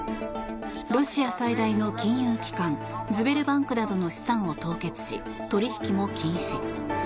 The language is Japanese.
ロシア最大の金融機関ズベルバンクなどの資産を凍結し取引も禁止。